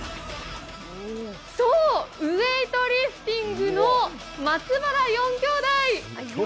そう、ウエイトリフティングの松原４兄弟！